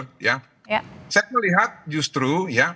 saya melihat justru ya